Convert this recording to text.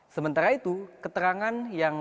sementara itu keterangan yang